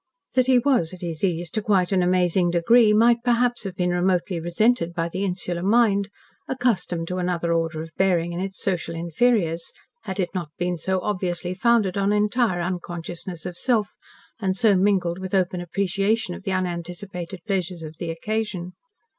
That he was at his ease to quite an amazing degree might perhaps have been remotely resented by the insular mind, accustomed to another order of bearing in its social inferiors, had it not been so obviously founded on entire unconsciousness of self, and so mingled with open appreciation of the unanticipated pleasures of the occasion.